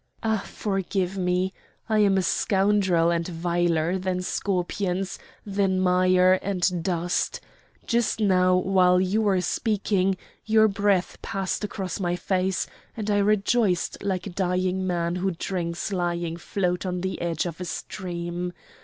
"Ah! forgive me! I am a scoundrel, and viler than scorpions, than mire and dust! Just now while you were speaking your breath passed across my face, and I rejoiced like a dying man who drinks lying flat on the edge of a stream.